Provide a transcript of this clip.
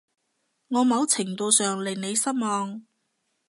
我某程度上令你失望